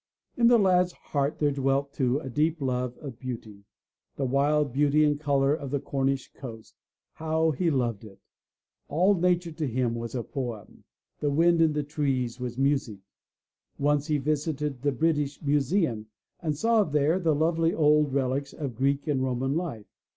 In the lad's heart there dwelt, too, a deep love of beauty. The wild beauty and color of the Cornish Coast — ^how he loved it! All nature to him was a poem — the wind in the trees was music ! Once he visited the British Museum and saw there the lovely old relics of Greek and Roman life.